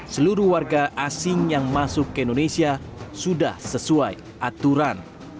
seluruh warga asing yang masuk ke indonesia sudah sesuai aturan